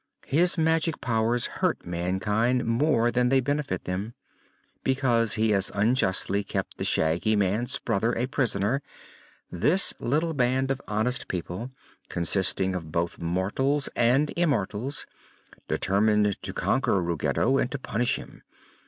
His magic powers hurt mankind more than they benefit them. Because he had unjustly kept the Shaggy Man's brother a prisoner, this little band of honest people, consisting of both mortals and immortals, determined to conquer Ruggedo and to punish him.